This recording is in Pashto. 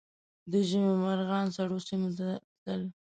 د ژمي مرغان سړو سیمو ته تلل